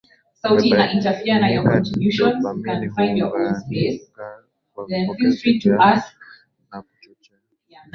umebainika Dopamini huunganika kwa vipokezi vya na kuchochea